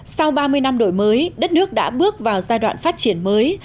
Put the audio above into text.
sau ba mươi năm đổi mới đất nước đã bước vào giai đoạn phát triển mới